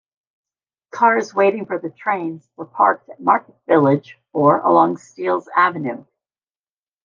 Cars waiting for the trains were parked at Market Village or along Steeles Avenue.